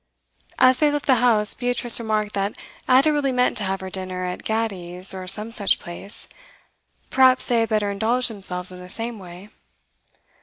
As they left the house, Beatrice remarked that Ada really meant to have her dinner at Gatti's or some such place; perhaps they had better indulge themselves in the same way.